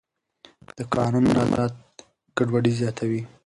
د قانون نه مراعت ګډوډي زیاتوي